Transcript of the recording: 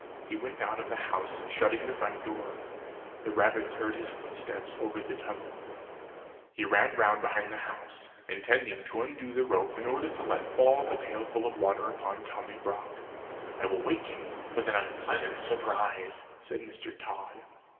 He went out of the house, shutting the front door. The rabbits heard his footsteps over the tunnel. He ran round behind the house, intending to undo the rope in order to let fall the pailful of water upon Tommy Brock "I will wake him up with an unpleasant surprise," said Mr. Tod.